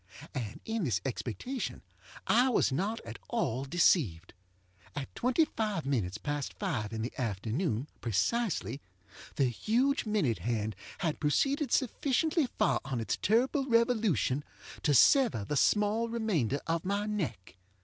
And in this expectation I was not at all deceived. At twenty five minutes past five in the afternoon, precisely, the huge minute hand had proceeded sufficiently far on its terrible revolution to sever the small remainder of my neck.